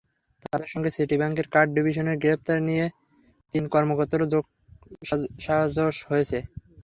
তাঁদের সঙ্গে সিটি ব্যাংকের কার্ড ডিভিশনের গ্রেপ্তার তিন কর্মকর্তারও যোগসাজশ রয়েছে।